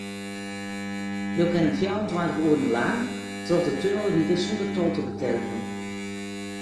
Jo kinne fjouwerentweintich oere lang troch de tunnel ride sûnder tol te beteljen.